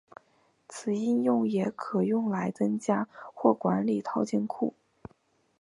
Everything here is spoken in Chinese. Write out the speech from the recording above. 此应用也可用来增加或管理套件库。